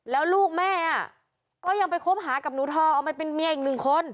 แล้วลูกแม่ก็ยังไปคบหากับหนูทองเอามาเป็นเมียอีกหนึ่งคน